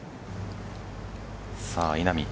さあ、稲見。